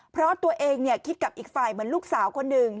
เพราะตัวเองคิดกับอีกฝ่ายเหมือนลูกสาวคนหนึ่ง